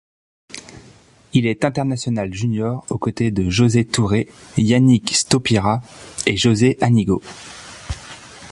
Il est international junior aux côtés de José Touré, Yannick Stopyra et José Anigo.